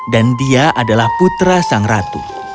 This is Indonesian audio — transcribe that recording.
dan dia adalah putra sang ratu